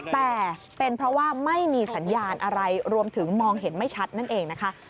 แต่เป็นเพราะว่าไม่มีสัญญาณอะไรรวมถึงมองเห็นไม่ชัดนั่นเองนะคะ